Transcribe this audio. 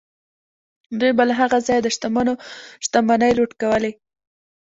دوی به له هغه ځایه د شتمنو شتمنۍ لوټ کولې.